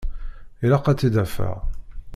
Ilaq ad t-id-afeɣ.